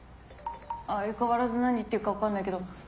相変わらず何言ってるか分かんないけど。